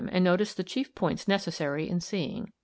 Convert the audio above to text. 11) and notice the chief points necessary in seeing.